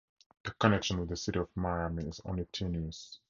The connection with the city of Miami is only tenuous.